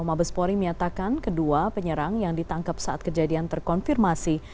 mabespori menyatakan kedua penyerang yang ditangkap saat kejadian terkonfirmasi